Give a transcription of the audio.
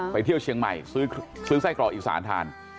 เที่ยวเชียงใหม่ซื้อไส้กรอกอีสานทาน